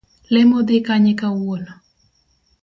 Lemo dhi kanye kawuono.